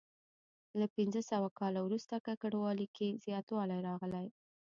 له پنځه سوه کال وروسته ککړوالي کې زیاتوالی راغلی.